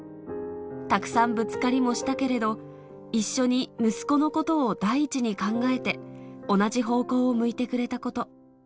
たくさんぶつかりもしたけれど、一緒に息子のことを第一に考えて、同じ方向を向いてくれたこと。